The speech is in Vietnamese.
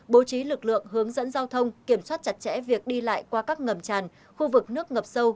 bố trí lực lượng hướng dẫn giao thông kiểm soát chặt chẽ việc đi lại qua các ngầm tràn khu vực nước ngập sâu